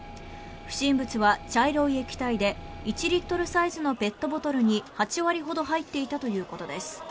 不審物は茶色い液体で１リットルサイズのペットボトルに８割ほど入っていたということです。